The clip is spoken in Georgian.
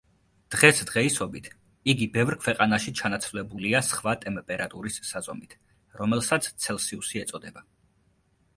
დღეს დღეისობით იგი ბევრ ქვეყანაში ჩანაცვლებულია სხვა ტემპერატურის საზომით რომელსაც ცელსიუსი ეწოდება.